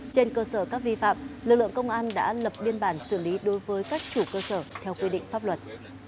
trên cơ sở các vi phạm lực lượng công an đã lập biên bản xử lý đối với các chủ cơ sở theo quy định pháp luật